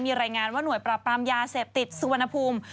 มีรายงานว่าหน่วยปราบปรามยาเสพติดสุวรรณภูมิ